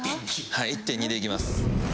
はい１．２でいきます。